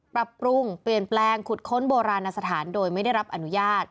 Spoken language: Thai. ปรับปรุงเปลี่ยนแปลงขุดค้นโบราณสถานโดยไม่ได้รับอนุญาต